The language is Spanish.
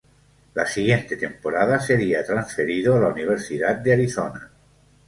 La siguiente temporada sería transferido a la Universidad de Arizona.